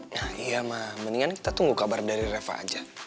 ya iya mendingan kita tunggu kabar dari reva aja